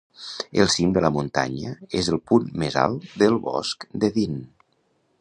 El cim de la muntanya és el punt més alt del bosc de Dean.